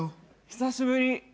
「久しぶり！